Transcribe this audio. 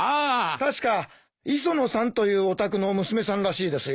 確か磯野さんというお宅の娘さんらしいですよ。